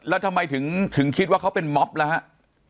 แล้วทำไมถึงคิดว่าเขาเป็นม็อบล่ะฮะ